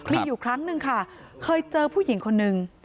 มีอยู่ครั้งหนึ่งค่ะเคยเจอผู้หญิงคนนึง